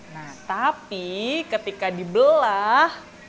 nah tapi ketika dibelak